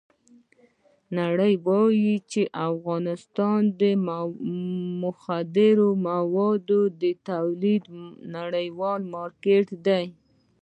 نړۍ وایي چې افغانستان د مخدره موادو د تولید نړیوال مارکېټ دی.